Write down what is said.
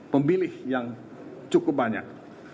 pemilih yang cukup banyak